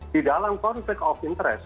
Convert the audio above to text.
di dalam konflik of interest